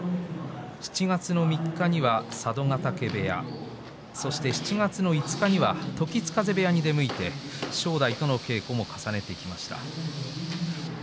７月３日には佐渡ヶ嶽部屋そして、７月５日には時津風部屋に出向いて正代との稽古も重ねてきました。